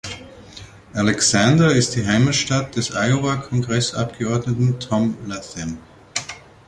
Alexander ist die Heimatstadt des Iowa-Kongressabgeordneten Tom Latham.